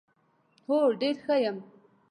هو ډېره ښه یم .